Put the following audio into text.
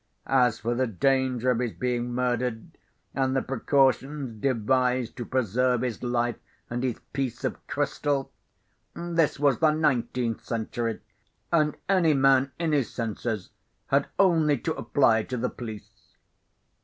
As for the danger of his being murdered, and the precautions devised to preserve his life and his piece of crystal, this was the nineteenth century, and any man in his senses had only to apply to the police.